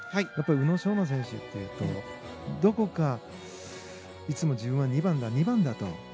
やっぱり宇野昌磨選手というとどこかいつも自分は２番だ、２番だと。